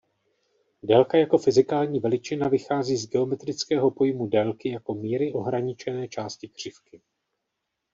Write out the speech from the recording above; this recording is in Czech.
Délka jako fyzikální veličina vychází z geometrického pojmu délky jako míry ohraničené části křivky.